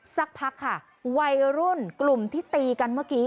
สักพักค่ะวัยรุ่นกลุ่มที่ตีกันเมื่อกี้